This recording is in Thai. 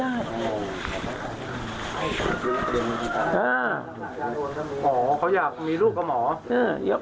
หมอเขาอยากมีลูกกับหมอ